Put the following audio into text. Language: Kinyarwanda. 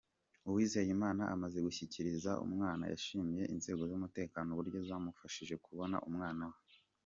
Uwizeyimana amaze gushyikirizwa umwana yashimiye inzego z’umutekano uburyo zamufashije kubona umwana we.